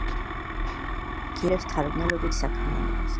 გიორგი ხუროშვილი ახორციელებს მთარგმნელობით საქმიანობას.